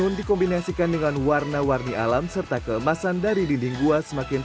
ini sebagai apresiasi kepada pelaku mkm